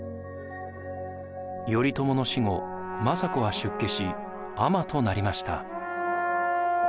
頼朝の死後政子は出家し尼となりました。